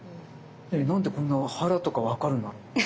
何でこんな腹とか分かるんだろう？